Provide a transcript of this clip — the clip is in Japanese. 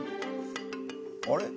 あれ？